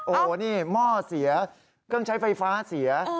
โอ้โหนี่หม้อเสียเครื่องใช้ไฟฟ้าเสีย